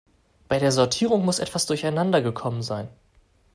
Bei der Sortierung muss etwas durcheinander gekommen sein.